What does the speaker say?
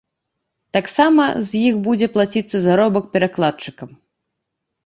Таксама з іх будзе плаціцца заробак перакладчыкам.